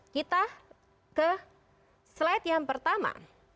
kita ke slide yang pertama